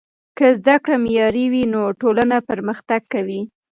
که زده کړه معیاري وي نو ټولنه پرمختګ کوي.